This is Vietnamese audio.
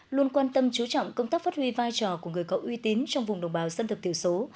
luôn quan tâm chú trọng công tác phát huy vai trò của người cậu uy tín trong vùng đồng bào dân tộc thiểu số